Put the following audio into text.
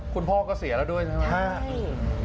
คุณพ่อก็เสียแล้วด้วยใช่ไหม